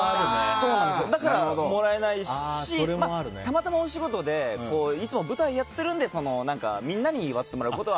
だからもらえないしたまたまお仕事でいつも舞台をやってるのでみんなに祝ってもらうことは。